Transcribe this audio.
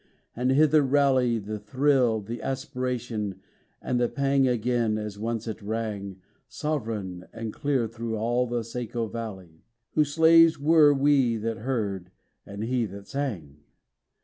and hither rally The thrill, the aspiration, and the pang Again, as once it rang Sovereign and clear thro' all the Saco valley, Whose slaves were we that heard, and he that sang!